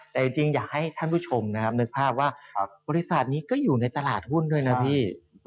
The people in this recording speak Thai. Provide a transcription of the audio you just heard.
แต่จริงอยากให้ท่านผู้ชมนะครับนึกภาพว่าบริษัทนี้ก็อยู่ในตลาดหุ้นด้วยนะพี่